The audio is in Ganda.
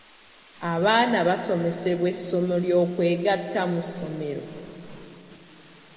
Abaana basomesebwa essomo ly'okwegatta mu ssomero?